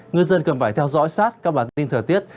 ngư dân cần phải theo dõi sát các bản tin thời tiết